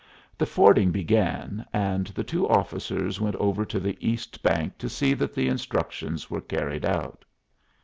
The fording began, and the two officers went over to the east bank to see that the instructions were carried out.